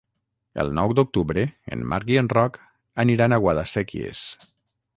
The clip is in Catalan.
El nou d'octubre en Marc i en Roc aniran a Guadasséquies.